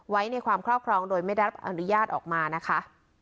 ไว้ในความครอบครองโดยไม่ได้รับอนุญาตออกมานะคะ